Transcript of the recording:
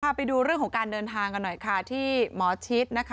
ไปดูเรื่องของการเดินทางกันหน่อยค่ะที่หมอชิดนะคะ